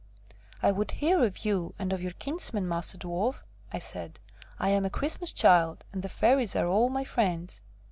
"I would hear of you, and of your kinsmen, Master Dwarf!" I said. "I am a Christmas Child, and the Fairies are all my friends."